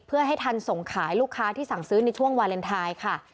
เพื่อให้ทันส่งขายลูกค้าที่สั่งซื้อในช่วงวาเลนไทยค่ะ